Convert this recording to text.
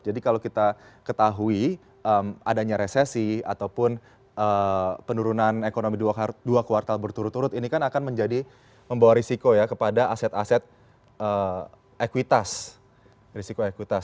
jadi kalau kita ketahui adanya resesi ataupun penurunan ekonomi dua kuartal berturut turut ini kan akan menjadi membawa risiko ya kepada aset aset ekuitas